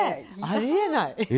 あり得ない。